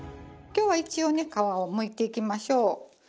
今日は一応ね皮をむいていきましょう。